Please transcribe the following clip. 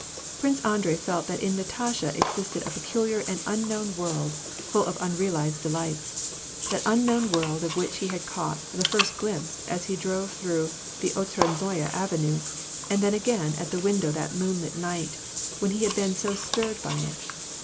Prince Andi*ei felt that in Natasha existed a peculiar and unknown world, full of unrealized delights, — that unknown world of which he had caught the first glimpse as he drove through the Otradnoye avenue, and then again at the window that moonlight night, when he had l)een so stirred by it.